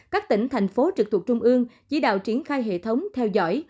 các tỉnh thành phố trực thuộc trung ương chỉ đạo triển khai hệ thống theo dõi